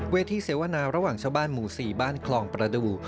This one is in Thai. ที่เสวนาระหว่างชาวบ้านหมู่๔บ้านคลองประดูก